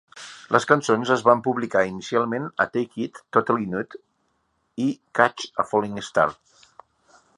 Les cançons es van publicar inicialment a Take It, Totally Nude i Catch a Falling Star.